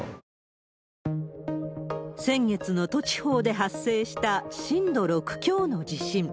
先月、能登地方で発生した震度６強の地震。